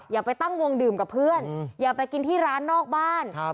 อย่าไปตั้งวงดื่มกับเพื่อนอย่าไปกินที่ร้านนอกบ้าน